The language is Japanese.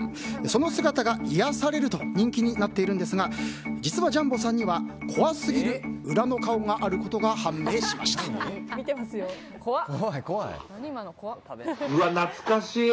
その姿が癒やされると人気になっているんですが実は、ジャンボさんには怖すぎる裏の顔があることがうわあ、懐かしい！